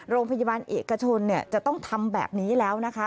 โรงพยาบาลเอกชนจะต้องทำแบบนี้แล้วนะคะ